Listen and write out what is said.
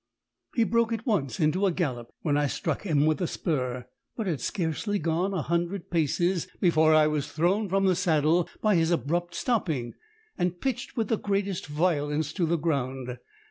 He broke at once into a gallop, when I struck him with the spur, but had scarcely gone a hundred paces before I was thrown from the saddle by his abrupt stopping, and pitched with the greatest violence to the ground.